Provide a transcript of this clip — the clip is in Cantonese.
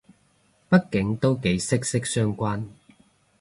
畢竟都幾息息相關